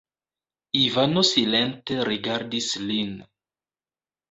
Ivano silente rigardis lin.